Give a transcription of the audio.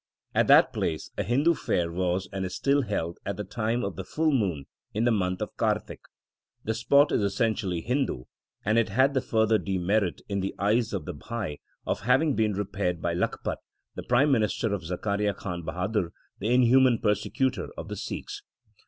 At that place a Hindu fair was and is still held at the time of the full moon in the month of Kartik. The spot is essentially Hindu, and it had the further demerit in the eyes of the Bhai of having been repaired by Lakhpat, the prime minister of Zakaria Khan Bahadur, the inhuman persecutor of the Sikhs.